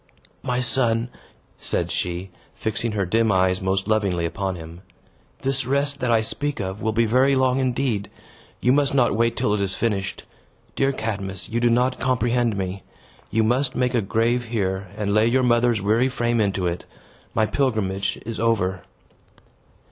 "My son," said she, fixing her dim eyes most lovingly upon him, "this rest that I speak of will be very long indeed! You must not wait till it is finished. Dear Cadmus, you do not comprehend me. You must make a grave here, and lay your mother's weary frame into it. My pilgrimage is over."